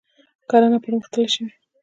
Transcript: کرنه پرمختللې شوې.